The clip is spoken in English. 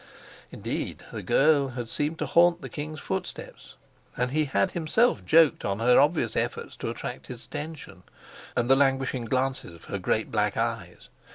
Indeed the girl had seemed to haunt the king's foot steps, and he had himself joked on her obvious efforts to attract his attention, and the languishing glances of her great black eyes.